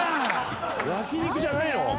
焼き肉じゃないの？